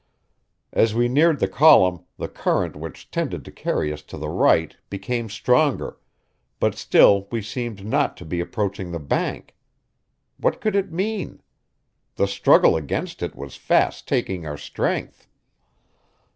As we neared the column the current which tended to carry us to the right became stronger, but still we seemed not to be approaching the bank. What could it mean? The struggle against it was fast taking our strength.